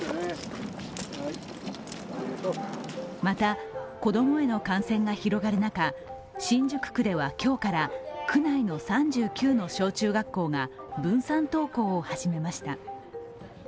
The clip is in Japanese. また、子供への感染が広がる中新宿区では今日から区内の３９の小中学校が分散登校を始めました。